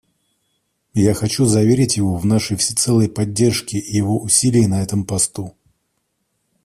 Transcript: Я хочу заверить его в нашей всецелой поддержке его усилий на этом посту.